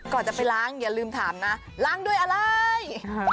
ก่อนจะไปล้างอย่าลืมถามนะล้างด้วยอะไร